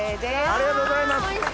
ありがとうございます。